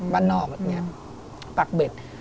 บ้านนอกแบบนี้ปากเบ็ด